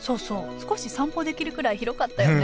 少し散歩できるくらい広かったよね